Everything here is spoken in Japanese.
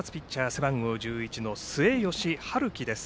背番号１１の末吉陽輝です。